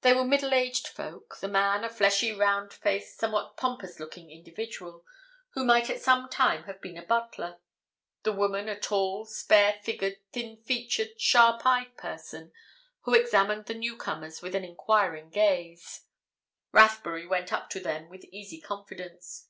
They were middle aged folk: the man, a fleshy, round faced, somewhat pompous looking individual, who might at some time have been a butler; the woman a tall, spare figured, thin featured, sharp eyed person, who examined the newcomers with an enquiring gaze. Rathbury went up to them with easy confidence.